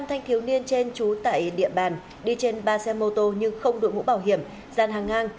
năm thanh thiếu niên trên trú tại địa bàn đi trên ba xe mô tô nhưng không đội mũ bảo hiểm gian hàng ngang